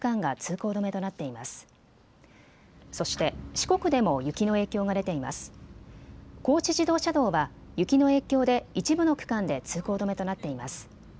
高知自動車道は雪の影響で一部の区間で通行止めとなっています。